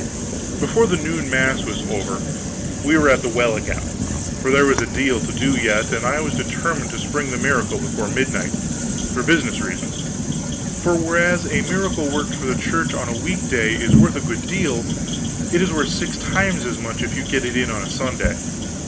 Before the noon mass was over, we were at the well again; for there was a deal to do yet, and I was determined to spring the miracle before midnight, for business reasons: for whereas a miracle worked for the Church on a week day is worth a good deal, it is worth six times as much if you get it in on a Sunday.